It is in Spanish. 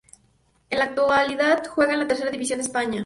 En la actualidad, juega en la Tercera División de España.